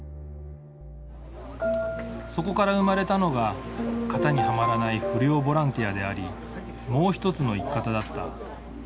そこから生まれたのが型にはまらない不良ボランティアであり「もう一つの生き方」だった。